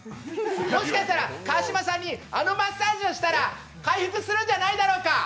もしかしたら川島さんにあのマッサージをしたら回復するんじゃないだろうか。